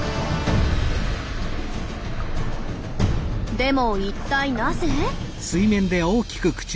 でも一体なぜ？